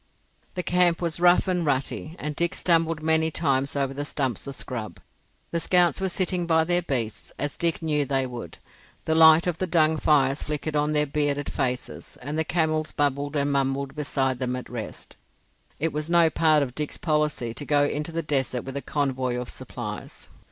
The camp was rough and rutty, and Dick stumbled many times over the stumps of scrub. The scouts were sitting by their beasts, as Dick knew they would. The light of the dung fires flickered on their bearded faces, and the camels bubbled and mumbled beside them at rest. It was no part of Dick's policy to go into the desert with a convoy of supplies.